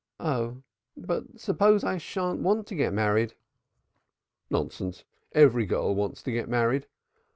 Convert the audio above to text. "Oh, but suppose I shan't want to get married?" "Nonsense every girl wants to get married.